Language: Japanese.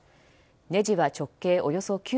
ねじは直径およそ９ｍｍ